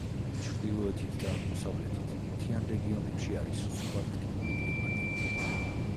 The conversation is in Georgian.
ჩრდილოეთით და აღმოსავლეთით, მთიან რეგიონებში არის სუბარქტიკული კლიმატი.